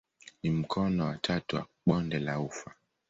Ni mkono wa tatu wa bonde la ufa.